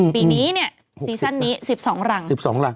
ปีนี้นี่ซีซั่นนี้๑๒รัง